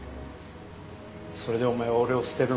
それでお前は俺を捨てるのか。